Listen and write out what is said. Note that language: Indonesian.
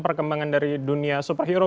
perkembangan dari dunia superhero